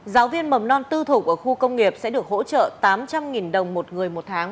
giáo viên mầm non tư thục ở khu công nghiệp sẽ được hỗ trợ tám trăm linh đồng một người một tháng